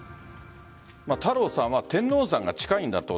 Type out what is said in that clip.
太郎さんは天王山が近いんだと。